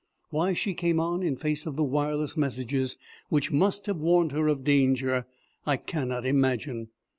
Why she came on in face of the wireless messages which must have warned her of danger, I cannot imagine.